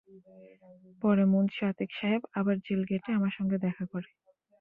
পরে মুন্সি আতিক সাহেব আবার জেল গেটে আমার সঙ্গে দেখা করে।